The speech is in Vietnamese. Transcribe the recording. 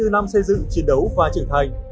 năm xây dựng chiến đấu và trưởng thành